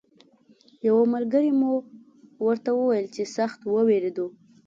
یوه ملګري مو ورته ویل چې سخت ووېرېدو.